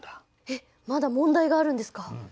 えっまだ問題があるんですか？